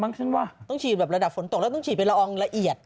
ต้องฉีดรายน้ำเราต้องฉีดระดับฝนตกแล้วจะต้องฉีดไปละอองละเอียด